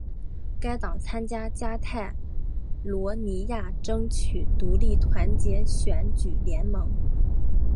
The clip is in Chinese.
该党参加加泰罗尼亚争取独立团结选举联盟。